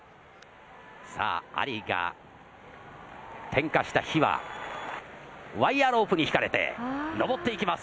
さぁ、アリが点火した火はワイヤロープにひかれて登っていきます。